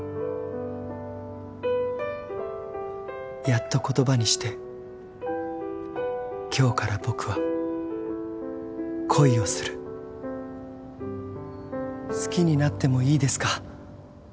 やっと言葉にして今日から僕は恋をする好きになってもいいですか？